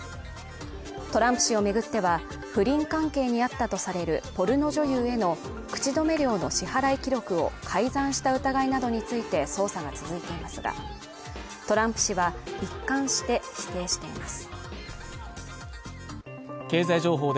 トランプ氏を巡っては、不倫関係にあったとされるポルノ女優への口止め料の支払い記録を改ざんした疑いなどについて捜査が続いていますが、トランプ氏は一貫して否定しています。